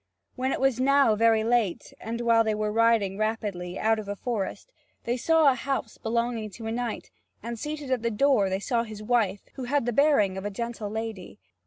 When it was now very late, and while they were riding rapidly out of a forest, they saw a house belonging to a knight, and seated at the door they saw his wife, who had the bearing of a gentle lady.